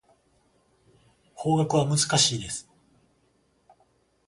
法学は難しいです。